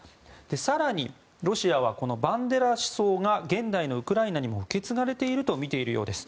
更に、ロシアはこのバンデラ思想が現代のウクライナにも受け継がれているとみているようです。